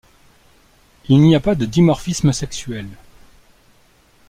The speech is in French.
Il n'y a pas de dimorphisme sexuel.